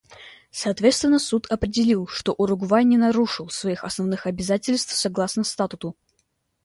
Соответственно Суд определил, что Уругвай не нарушил своих основных обязательств согласно статуту.